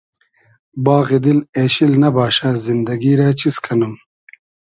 باغی دیل اېشیل نئباشۂ زیندئگی رۂ چیز کئنوم